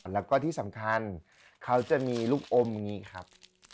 แล้วก็ที่สำคัญเขาจะมีลูกอมอย่างนี้ครับ